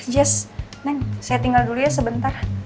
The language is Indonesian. jess neng saya tinggal dulu ya sebentar